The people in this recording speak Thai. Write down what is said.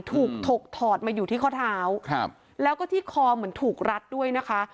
ถูกถกถอดมาอยู่ที่ข้อเท้าครับแล้วก็ที่คอเหมือนถูกรัดด้วยนะคะ